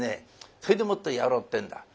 それでもってやろうってんだ。